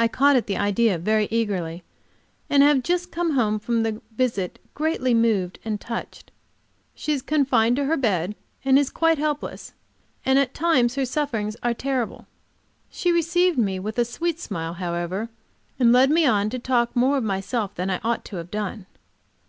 I caught at the idea very eagerly, and have just come home from the visit greatly moved and touched. She is confined to her bed, and is quite helpless, and at times her sufferings are terrible. She received me with a sweet smile, however, and led me on to talk more of myself than I ought to have done.